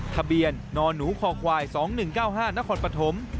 ทะเบียนนหนูคควาย๒๑๙๕นครปฐม